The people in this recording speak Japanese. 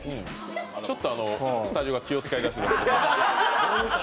ちょっとスタジオが気を使い出しました。